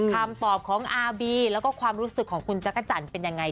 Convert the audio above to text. คำตอบของอาร์บีแล้วก็ความรู้สึกของคุณจักรจันทร์เป็นยังไง